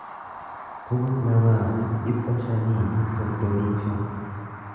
kuma lamaa fi dhibba shanii fi soddomii shan